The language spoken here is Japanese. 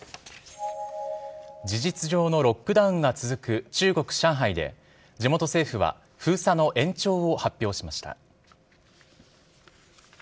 事実上のロックダウンが続く中国・上海で、地元政府は封鎖の延長を発表しました。